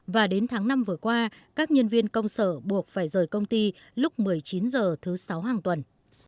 và đến tháng năm vừa qua các nhân viên công sở buộc phải rời công ty lúc một mươi chín h thứ sáu hàng tuần